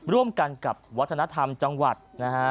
ร่วมกันกับวัฒนธรรมจังหวัดนะฮะ